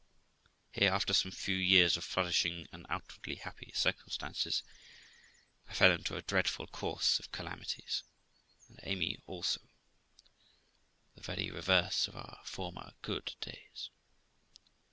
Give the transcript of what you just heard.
Here, after some few years of flourishing and outwardly happy circum stances, I fell into a dreadful course of calamities, and Amy also; the very reverse of our former good days.